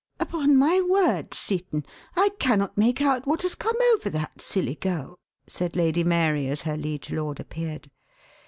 "Upon my word, Seton, I cannot make out what has come over that silly girl," said Lady Mary as her liege lord appeared.